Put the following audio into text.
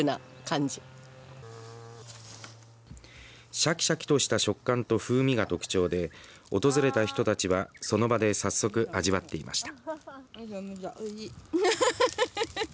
シャキシャキとした食感と風味が特徴で訪れた人たちはその場で早速味わっていました。